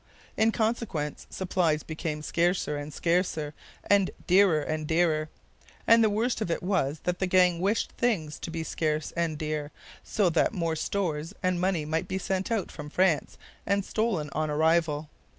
In consequence, supplies became scarcer and scarcer and dearer and dearer; and the worst of it was that the gang wished things to be scarce and dear, so that more stores and money might be sent out from France and stolen on arrival.